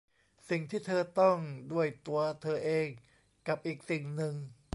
สิ่งที่เธอต้องด้วยตัวเธอเอง กับอีกสิ่งหนึ่ง